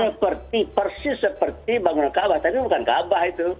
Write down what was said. seperti persis seperti bangunan kaabah tapi bukan kaabah itu